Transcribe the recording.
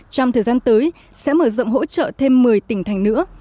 trong thời gian tới sẽ mở rộng hỗ trợ thêm một mươi tỉnh thành nữa